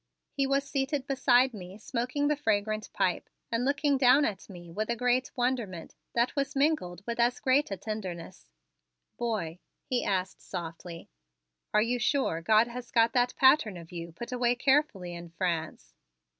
He was seated beside me smoking the fragrant pipe and looking down at me with a great wonderment that was mingled with as great a tenderness. "Boy," he asked softly, "are you sure God has got that pattern of you put away carefully in France?"